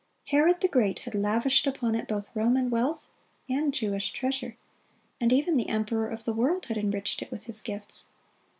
Herod the Great had lavished upon it both Roman wealth and Jewish treasure, and even the emperor of the world had enriched it with his gifts.